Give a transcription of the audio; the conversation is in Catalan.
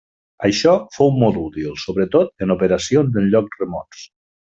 Això fou molt útil, sobretot, en operacions en llocs remots.